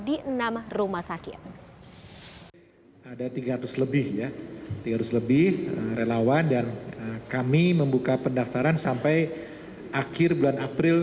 di pusatkan di enam rumah sakit